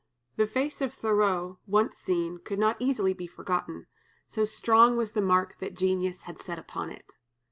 The face of Thoreau, once seen, could not easily be forgotten, so strong was the mark that genius had set upon it.